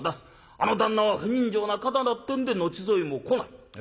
あの旦那は不人情な方だってんで後添いも来ない。